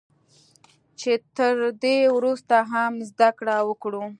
چې تر دې ورسته هم زده کړه وکړو